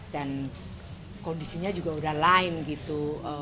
dan kondisinya juga udah lain gitu